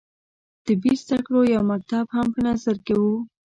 طبي زده کړو یو مکتب هم په نظر کې وو.